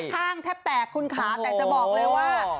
ข้างแทบแตกคุณขาแต่จะบอกเลยว่า